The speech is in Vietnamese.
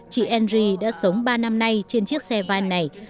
chị jry đã sống ba năm nay trên chiếc xe van này